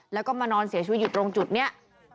แล้วก็มานอนเสียชีวิตอยู่ตรงจุดนี้